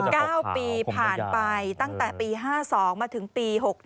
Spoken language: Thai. เก้าปีผ่านไปตั้งแต่ปี๕๒มาถึงปี๖๑